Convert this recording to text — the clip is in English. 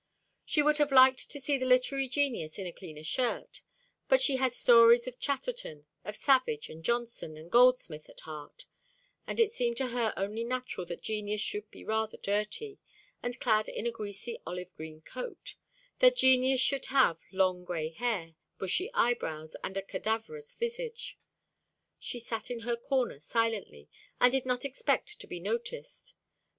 She would have liked to see the literary genius in a cleaner shirt; but she had stories of Chatterton, of Savage, and Johnson and Goldsmith at heart; and it seemed to her only natural that genius should be rather dirty, and clad in a greasy olive green coat, that genius should have long gray hair, bushy eyebrows, and a cadaverous visage. She sat in her corner silently, and did not expect to be noticed; but M.